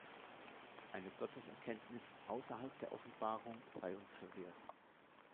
Eine Gotteserkenntnis außerhalb der Offenbarung sei uns verwehrt.